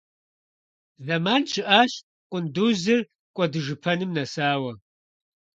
Зэман щыӀащ къундузыр кӀуэдыжыпэным нэсауэ.